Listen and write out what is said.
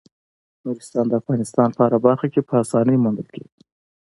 نورستان د افغانستان په هره برخه کې په اسانۍ موندل کېږي.